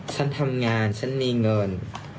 ฉันทำงานฉันมีเงิน